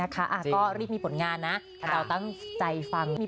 ครูโชลาธีฟังเพลินอยู่ใช่ไหมคะ